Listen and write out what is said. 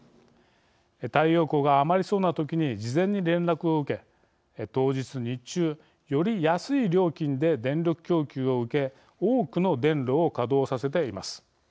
太陽光が余りそうな時に事前に連絡を受け当日日中、より安い料金で電力供給を受け多くの電炉を稼働させています。